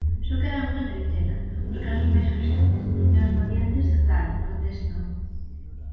Só quedan unha trintena, os casos máis urxentes, e os pacientes, claro, protestan.